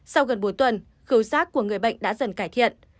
sau gần bốn tuần khẩu sát của người bệnh đã dần cải thiện